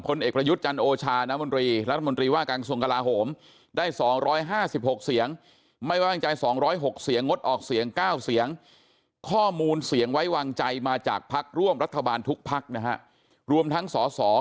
พลอจนโอชานามนรีรัฐมนตรีว่าการกระชวงศ์กราหงศ์